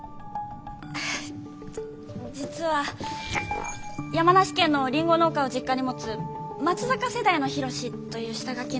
実は「山梨県のリンゴ農家を実家に持つ松坂世代のヒロシ」という下書きのものも。